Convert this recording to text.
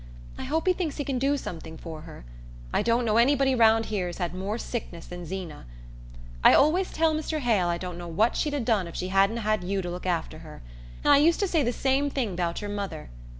I hope he thinks he can do something for her. I don't know anybody round here's had more sickness than Zeena. I always tell Mr. Hale I don't know what she'd 'a' done if she hadn't 'a' had you to look after her; and I used to say the same thing 'bout your mother.